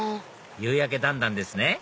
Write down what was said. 夕やけだんだんですね